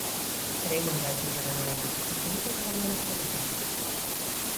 Pero, imos ver, señora Noela, ¿vostede ten a verdade absoluta?